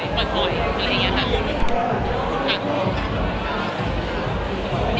นี่หมายถึงตัวเวลต่อเลยไง